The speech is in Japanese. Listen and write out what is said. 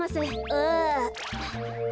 ああ。